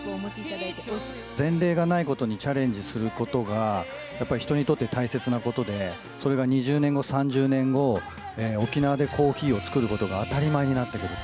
前例がないことにチャレンジすることが、やっぱり人にとって大切なことで、それが２０年後、３０年後、沖縄でコーヒーを作ることが当たり前になってくる。